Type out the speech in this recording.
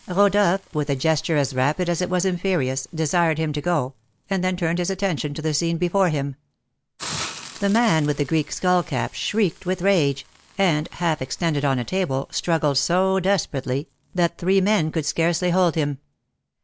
Rodolph, with a gesture as rapid as it was imperious, desired him to go, and then turned his attention to the scene before him. The man with the Greek skull cap shrieked with rage, and, half extended on a table, struggled so desperately, that three men could scarcely hold him.